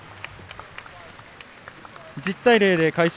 １０対０で快勝。